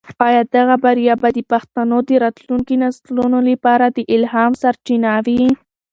آیا دغه بریا به د پښتنو د راتلونکي نسلونو لپاره د الهام سرچینه وي؟